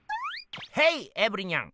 ヘイエブリニャン！